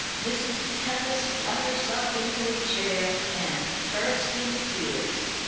Mrs. Tempest flung herself into a chair and burst into tears.